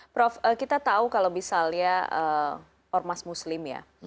prof kita tahu kalau misalnya ormas muslim ya